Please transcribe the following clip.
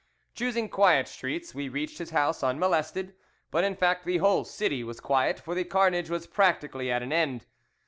Choosing quiet streets, we reached his house unmolested; but in fact the whole city was quiet, for the carnage was practically at an end.